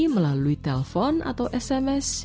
melalui telpon atau sms